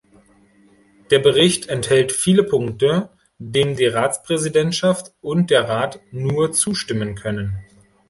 Der Bericht enthält viele Punkte, dem die Ratspräsidentschaft und der Rat nur zustimmen können.